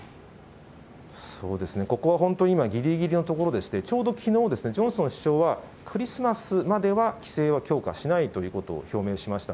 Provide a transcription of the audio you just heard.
そうですね、ここは本当にぎりぎりのところでして、ちょうどきのう、ジョンソン首相は、クリスマスまでは規制は強化しないということを表明しました。